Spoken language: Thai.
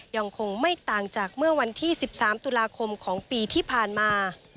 ยังคงไม่ต่างจากเมื่อวันที่๑๓ตุลาคมของปีที่ผ่านมา